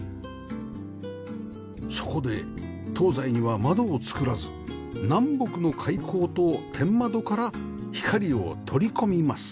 そこで東西には窓を作らず南北の開口と天窓から光を取り込みます